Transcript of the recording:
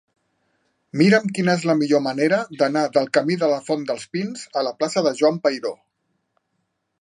Mira'm quina és la millor manera d'anar del camí de la Font dels Pins a la plaça de Joan Peiró.